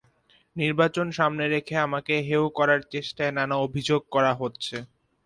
নির্বাচন সামনে রেখে আমাকে হেয় করার চেষ্টায় নানা অভিযোগ করা হচ্ছে।